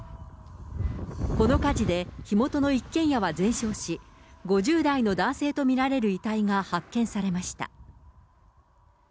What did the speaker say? この火事で、火元の一軒家は全焼し、５０代の男性と見られる遺体が発見されました。